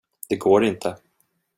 Det går inte.